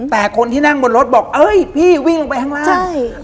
แต่คนที่นั่งบนรถบอกเอ้ยพี่วิ่งลงไปข้างล่าง